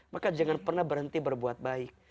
maka jangan pernah berhenti berbuat baik